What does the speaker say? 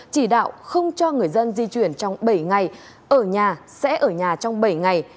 chỉ đạo không cho người dân di chuyển trong bảy ngày ở nhà sẽ ở nhà trong bảy ngày